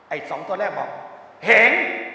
ไอ้สองตัวแรกบอกเห็น